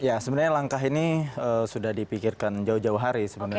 ya sebenarnya langkah ini sudah dipikirkan jauh jauh hari sebenarnya